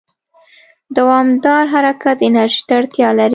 دوامداره حرکت انرژي ته اړتیا لري.